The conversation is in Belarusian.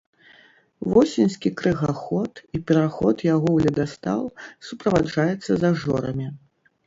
Восеньскі крыгаход і пераход яго ў ледастаў суправаджаецца зажорамі.